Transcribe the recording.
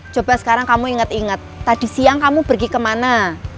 coba sekarang kamu ingat ingat tadi siang kamu pergi kemana